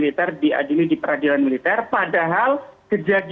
kita tetep ket quoi lebih banding kepada orange yang mana kita lagi